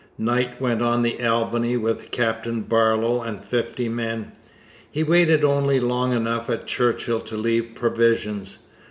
Knight went on the Albany with Captain Barlow and fifty men. He waited only long enough at Churchill to leave provisions.